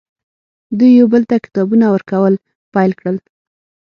دوی یو بل ته کتابونه ورکول پیل کړل